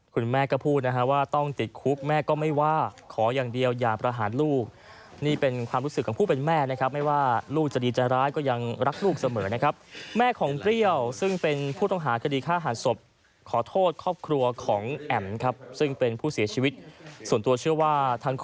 คุณแม่ก็พูดนะฮะว่าต้องติดคุกแม่ก็ไม่ว่าขออย่างเดียวอย่าประหารลูกนี่เป็นความรู้สึกของผู้เป็นแม่นะครับไม่ว่าลูกจะดีจะร้ายก็ยังรักลูกเสมอนะครับแม่ของเปรี้ยวซึ่งเป็นผู้ต้องหาคดีฆ่าหันศพขอโทษครอบครัวของแอมครับซึ่งเป็นผู้เสียชีวิตส่วนตัวเชื่อว่าทั้งค